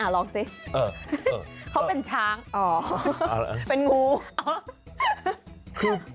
ลองสิเขาเป็นช้างอ๋อเป็นงู